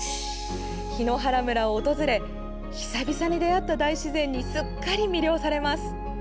檜原村を訪れ久々に出会った大自然にすっかり魅了されます。